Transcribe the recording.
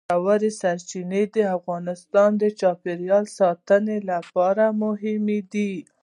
ژورې سرچینې د افغانستان د چاپیریال ساتنې لپاره مهم دي.